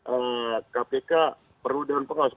eh kpk perlu dewan pengawas